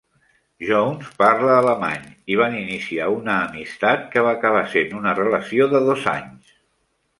Jones parla alemany i van iniciar una amistat que va acabar sent una relació de dos anys.